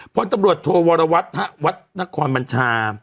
พลตำรวจโทวรวัตรวัดนครบัญชา